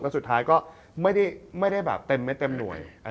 สุดท้ายก็ไม่ได้แบบเต็มเม็ดเต็มหน่วย